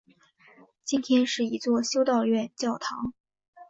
今天是一座修道院教堂。